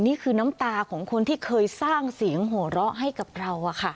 นี่คือน้ำตาของคนที่เคยสร้างเสียงหัวเราะให้กับเรา